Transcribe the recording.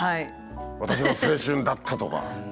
「私の青春だった」とか。